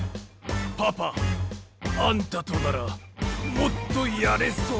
パパあんたとならもっとやれそう。